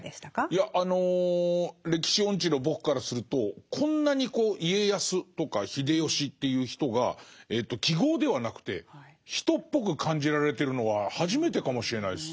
いやあの歴史音痴の僕からするとこんなに家康とか秀吉という人が記号ではなくて人っぽく感じられてるのは初めてかもしれないです。